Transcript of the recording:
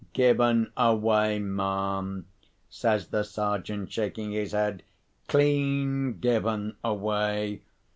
"Given away, ma'am," says the Sergeant, shaking his head. "Clean given away!"